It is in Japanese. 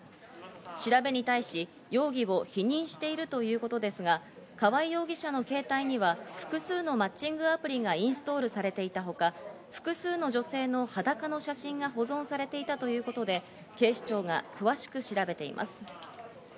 調べに対し、容疑を否認しているということですが、河合容疑者の携帯には複数のマッチングアプリがインストールされていたほか、複数の女性の裸の写真が保存されていたということで、警視庁が詳しく調べています。